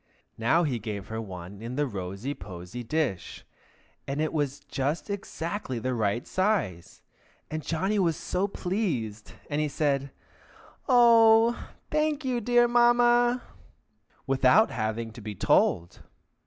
Now he gave her one in the rosy posy dish, and it was just exactly the right size, and Johnny was so pleased, and said, "Oh, thank you, dear Mamma!" without having to be told.